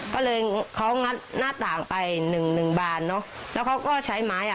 ก็เลยเขางัดหน้าต่างไปหนึ่งหนึ่งบานเนอะแล้วเขาก็ใช้ไม้อ่ะ